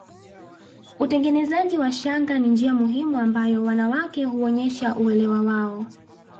Utengenezaji wa shanga ni njia muhimu ambayo wanawake huonyesha uelewa wao